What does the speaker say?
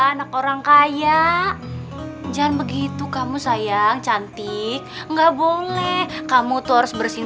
anak orang kaya jangan begitu kamu sayang cantik enggak boleh kamu tuh harus bersihin